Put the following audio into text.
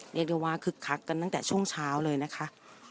เรียกได้ว่าคึกคักกันตั้งแต่ช่วงเช้าเลยนะคะ